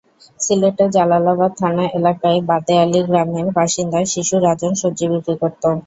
সিলেটের জালালাবাদ থানা এলাকার বাদেয়ালি গ্রামের বাসিন্দা শিশু রাজন সবজি বিক্রি করত।